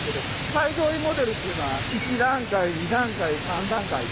最上位モデルというのは１段階２段階３段階で。